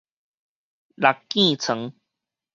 六桱床